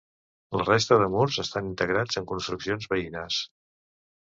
La resta de murs estan integrats en construccions veïnes.